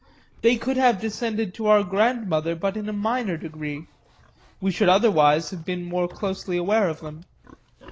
They could have descended to our grandmother but in a minor degree we should otherwise have been more closely aware of them.